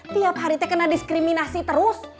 tiap hari teh kena diskriminasi terus